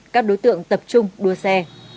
các đối tượng tập trung đua xe